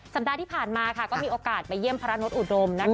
สัปดาห์ที่ผ่านมาก็มีโอกาสไปเยี่ยมพระนดอุดม